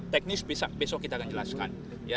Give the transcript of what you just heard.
teknis besok kita akan jelaskan